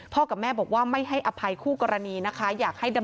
กับแม่บอกว่าไม่ให้อภัยคู่กรณีนะคะ